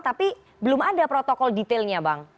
tapi belum ada protokol detailnya bang